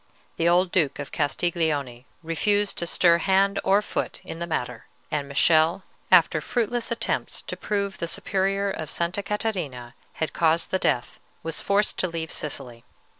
The old Duke of Castiglione refused to stir hand or foot in the matter, and Michele, after fruitless attempts to prove that the Superior of Sta. Catarina had caused the death, was forced to leave Sicily.